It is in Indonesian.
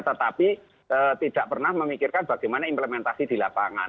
tetapi tidak pernah memikirkan bagaimana implementasi di lapangan